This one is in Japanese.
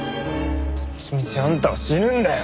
どっちみちあんたは死ぬんだよ！